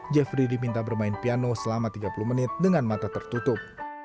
jeffrey diminta bermain piano selama tiga puluh menit dengan mata tertutup